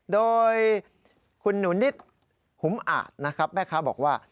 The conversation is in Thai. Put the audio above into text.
โดยคุณหนูนิดหุมอาจนะครับแม่ค้าบอกว่า